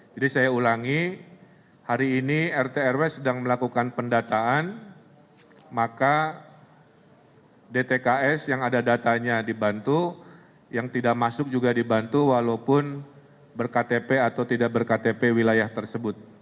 jadi saya ulangi hari ini rtrw sedang melakukan pendataan maka dtks yang ada datanya dibantu yang tidak masuk juga dibantu walaupun berktp atau tidak berktp wilayah tersebut